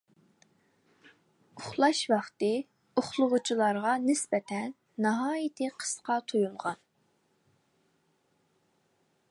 ئۇخلاش ۋاقتى ئۇخلىغۇچىلارغا نىسبەتەن ناھايىتى قىسقا تۇيۇلغان.